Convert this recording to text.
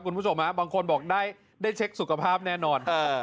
คุณผู้ชมบางคนบอกได้เช็คสุขภาพแน่นอน